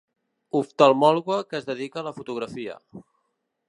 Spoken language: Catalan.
Oftalmòloga que es dedica a la fotografia.